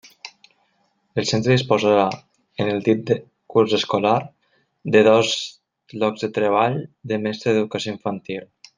El centre disposarà, en el dit curs escolar, de dos llocs de treball de mestre d'Educació Infantil.